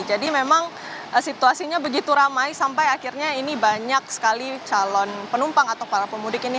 jadi memang situasinya begitu ramai sampai akhirnya ini banyak sekali calon penumpang atau para pemudik ini